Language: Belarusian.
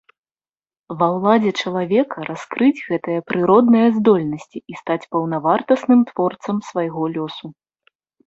Ва ўладзе чалавека раскрыць гэтыя прыродныя здольнасці і стаць паўнавартасным творцам свайго лёсу.